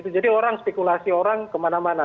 jadi orang spekulasi orang kemana mana